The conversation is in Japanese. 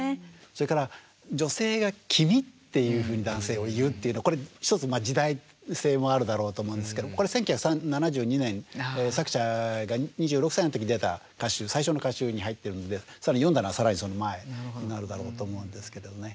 それから女性が「君」っていうふうに男性を言うっていうのこれ一つ時代性もあるだろうと思うんですけどこれ１９７２年作者が２６歳の時に出た歌集最初の歌集に入ってるんで更に詠んだのは更にその前になるだろうと思うんですけどね。